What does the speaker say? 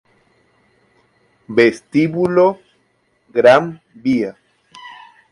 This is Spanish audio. Vestíbulo Gran Vía